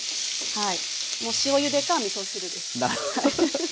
はい。